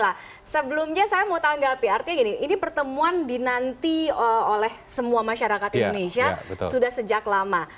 nah sebelumnya saya mau tanggapi artinya gini ini pertemuan dinanti oleh semua masyarakat indonesia sudah sejak lama